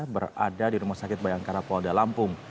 berada di rumah sakit bayangkara polda lampung